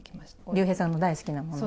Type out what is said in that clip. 竜兵さんの大好きなものを？